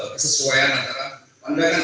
kesesuaian antara pandangan